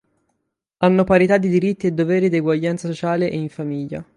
Hanno parità di diritti e doveri ed eguaglianza sociale e in famiglia.